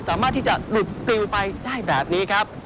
สามารถที่จะหลุดปลิวไปได้แบบนี้ครับ